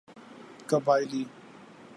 قبائلی